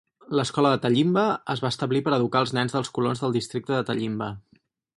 L'escola de Tallimba es va establir per educar els nens dels colons del districte de Tallimba.